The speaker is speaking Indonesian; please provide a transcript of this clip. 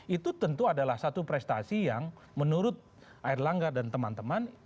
itu tentu adalah satu prestasi yang menurut erlangga dan teman teman